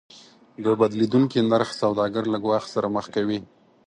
د بدلیدونکي نرخ سوداګر له ګواښ سره مخ کوي.